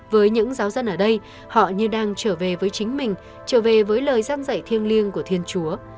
với những giáo dân ở đây họ như đang trở về với chính mình trở về với lời dăn dạy thiêng liêng của thiên chúa